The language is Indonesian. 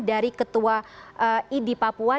dari ketua idi papua